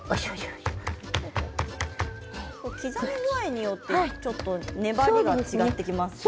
刻み具合によってちょっと粘りが違ってきますね。